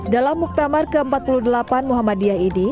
dalam muktamar ke empat puluh delapan muhammadiyah ini